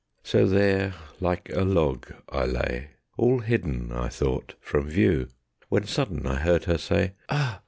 So there like a log I lay, All hidden, I thought, from view, When sudden I heard her say: "Ah!